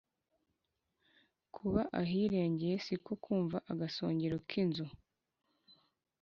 Kuba ahirengeye si ko kwumva-Agasongero k'inzu.